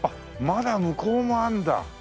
まだ向こうもあるんだ。